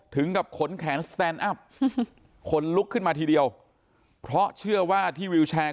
ถึงกับขนแขนสแตนอัพขนลุกขึ้นมาทีเดียวเพราะเชื่อว่าที่วิวแชร์